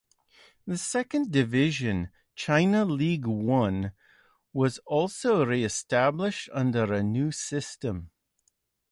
The second division, China League One, was also re-established under a new system.